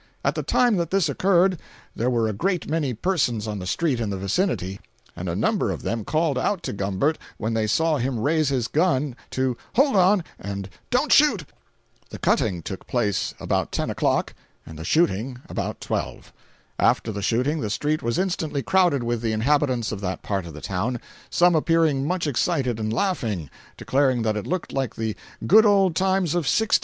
At the time that this occurred, there were a great many persons on the street in the vicinity, and a number of them called out to Gumbert, when they saw him raise his gun, to "hold on," and "don't shoot!" The cutting took place about ten o'clock and the shooting about twelve. After the shooting the street was instantly crowded with the inhabitants of that part of the town, some appearing much excited and laughing—declaring that it looked like the "good old times of '60."